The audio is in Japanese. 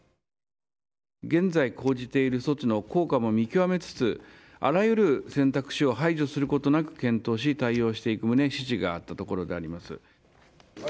現在講じている措置の効果も見極めつつ、あらゆる選択肢を排除することなく、検討し、対応していく旨指示があったところであります。